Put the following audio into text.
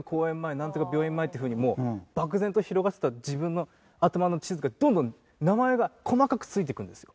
なんとか病院前っていうふうにもう漠然と広がっていた自分の頭の地図がどんどん名前が細かく付いていくんですよ。